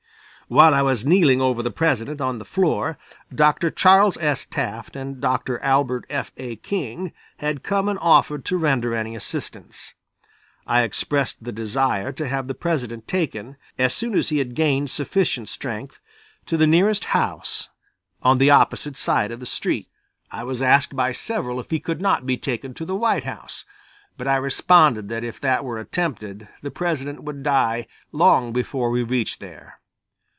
While I was kneeling over the President on the floor Dr. Charles S. Taft and Dr. Albert F. A. King had come and offered to render any assistance. I expressed the desire to have the President taken, as soon as he had gained sufficient strength, to the nearest house on the opposite side of the street. I was asked by several if he could not be taken to the White House, but I responded that if that were attempted the President would die long before we reached there.